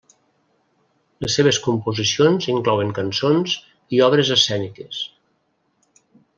Les seves composicions inclouen cançons i obres escèniques.